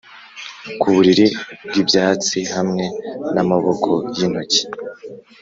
ku buriri bw'ibyatsi hamwe n'amaboko y'intoki